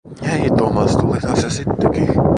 "Hei, Thomas, tulitha sä sitteki."